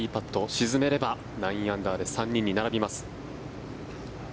沈めれば９アンダーで３人に並びます。